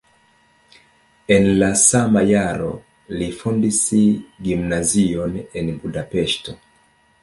En la sama jaro li fondis gimnazion en Budapeŝto.